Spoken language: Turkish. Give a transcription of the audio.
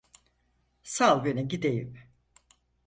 Sal beni gideyim!